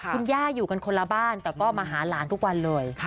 คุณย่าอยู่กันคนละบ้านแต่ก็มาหาหลานทุกวันเลย